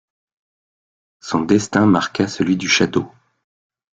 Son destin marqua celui du château.